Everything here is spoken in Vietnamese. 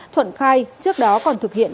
thuận khai trước đó còn thực hiện